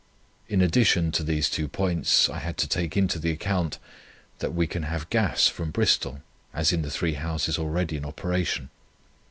In addition to these two points I had to take into the account, that we can have gas from Bristol, as in the three houses already in operation.